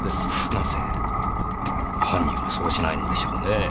なぜ犯人はそうしないのでしょうねぇ。